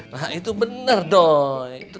nah itu bener doi